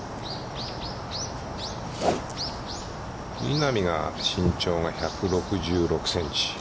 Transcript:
稲見が身長が１６６センチ。